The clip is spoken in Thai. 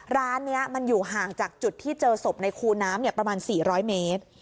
ร้านนี้มันอยู่ห่างจากจุดที่เจอศพในคูน้ำประมาณ๔๐๐เมตร